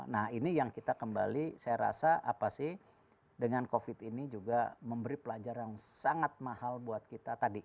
nah ini yang kita kembali saya rasa apa sih dengan covid ini juga memberi pelajaran yang sangat mahal buat kita tadi